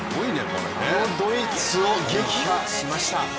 あのドイツを撃破しました。